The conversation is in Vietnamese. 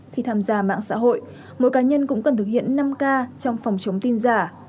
khi tham gia mạng xã hội mỗi cá nhân cũng cần thực hiện năm k trong phòng chống tin giả